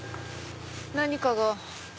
何かが。